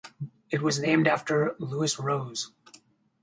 It was named after Louis Rose.